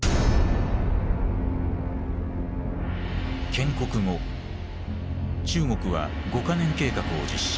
建国後中国は五ヵ年計画を実施